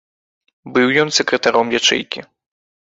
Быў ён сакратаром ячэйкі.